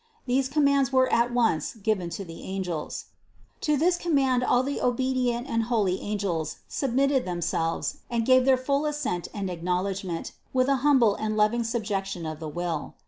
These commands were at once given to the angels. 89. To this command all the obedient and holy angel*, submitted themselves and they gave their full assent and acknowledgment with an humble and loving subjection of the will.